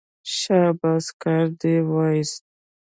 شاباس کار دې وایست.